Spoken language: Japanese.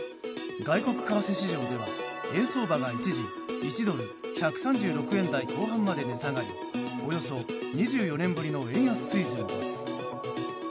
外国為替市場では、円相場が一時１ドル＝１３６円台後半まで値下がりおよそ２４年ぶりの円安水準です。